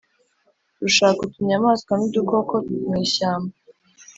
rushaka utunyamaswa n'udukoko mu ishyamba.